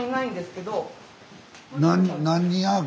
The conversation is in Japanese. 何ある。